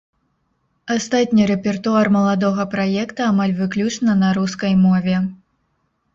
Астатні рэпертуар маладога праекта амаль выключна на рускай мове.